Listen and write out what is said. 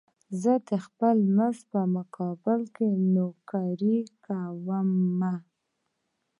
زه د خپل مزد په مقابل کې نوکري کومه.